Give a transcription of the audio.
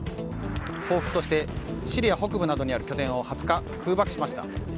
報復としてシリア北部などにある拠点を２０日、空爆しました。